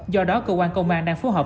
do đó cơ quan công an đang phối hợp